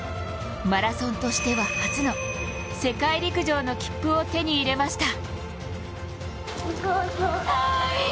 マラソンとしては初の世界陸上の切符を手に入れました。